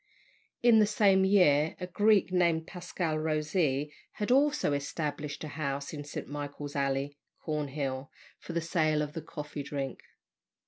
In the same year, a Greek named Pasqua Rosee had also established a house in St. Michael's Alley, Cornhill, for the sale of "the coffee drink."